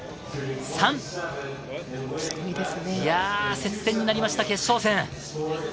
接戦になりました決勝戦。